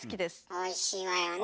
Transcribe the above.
おいしいわよね。